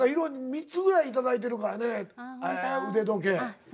３つぐらい頂いてるからね腕時計。